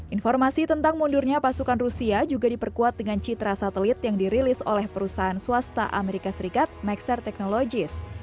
informasi tentang mundurnya pasukan rusia juga diperkuat dengan citra satelit yang dirilis oleh perusahaan swasta amerika serikat maxer technologies